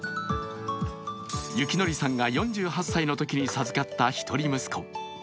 幸則さんが４８歳のときに授かった一人息子。